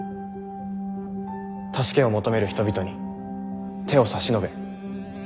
助けを求める人々に手を差し伸べ救う政治。